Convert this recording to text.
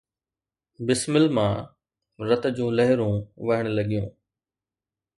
بسمل مان رت جون لهرون وهڻ لڳيون